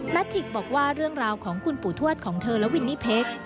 ทิกบอกว่าเรื่องราวของคุณปู่ทวดของเธอและวินนี่เพค